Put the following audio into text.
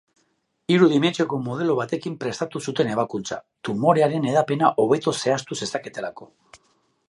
Hiru dimentsioko modelo batekin prestatu zuten ebakuntza, tumorearen hedapena hobeto zehaztu zezaketelako.